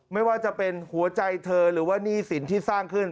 ไม่ว่าจะเป็นหัวใจเธอหรือว่าหนี้สินที่สร้างขึ้น